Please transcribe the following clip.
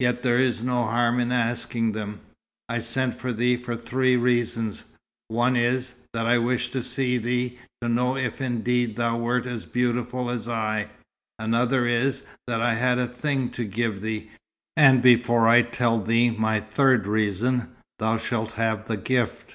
Yet there is no harm in asking them. I sent for thee, for three reasons. One is, that I wished to see thee, to know if indeed thou wert as beautiful as I; another is, that I had a thing to give thee, and before I tell thee my third reason, thou shalt have the gift."